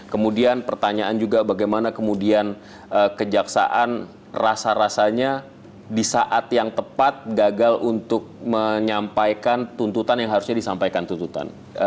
kemudian pertanyaan juga bagaimana kemudian kejaksaan rasa rasanya di saat yang tepat gagal untuk menyampaikan tuntutan yang harusnya disampaikan tuntutan